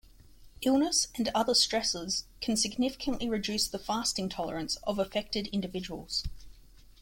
Illnesses and other stresses can significantly reduce the fasting tolerance of affected individuals.